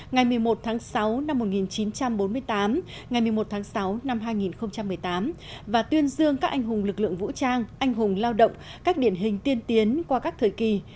ngày một mươi một tháng sáu năm một nghìn chín trăm bốn mươi tám ngày một mươi một tháng sáu năm hai nghìn một mươi tám và tuyên dương các anh hùng lực lượng vũ trang anh hùng lao động các điển hình tiên tiến qua các thời kỳ